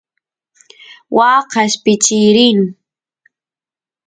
waa qeshpichiy rin